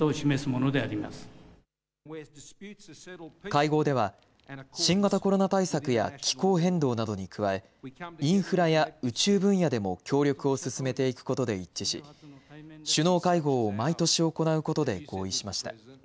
会合では、新型コロナ対策や気候変動などに加え、インフラや宇宙分野でも協力を進めていくことで一致し、首脳会合を毎年行うことで合意しました。